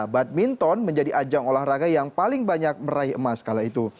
badminton menjadi ajang olahraga yang paling banyak meraih emas kala itu